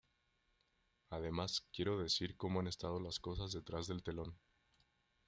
Además quiero decir como han estado las cosas detrás del telón.